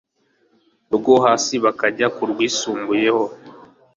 rwo hasi bakajya ku rwisumbuye